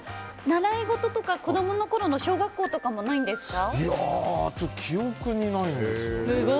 習い事とか子供のころの小学校とかもないんですか？